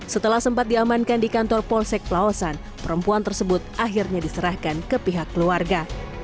setelah sempat diamankan di kantor polsek pelawasan perempuan tersebut akhirnya diserahkan ke pihak keluarga